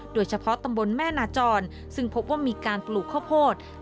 โดยเฉพาะตำบลแม่นาจรซึ่งพบว่ามีการปลูกข้าวโพด